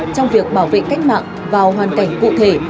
trong việc bảo vệ cách mạng vào hoàn cảnh cụ thể